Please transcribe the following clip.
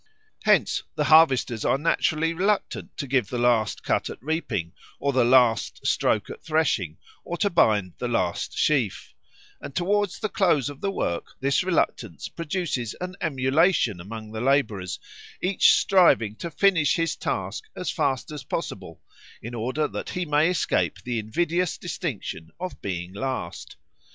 Hence the harvesters are naturally reluctant to give the last cut at reaping or the last stroke at threshing or to bind the last sheaf, and towards the close of the work this reluctance produces an emulation among the labourers, each striving to finish his task as fast as possible, in order that he may escape the invidious distinction of being last.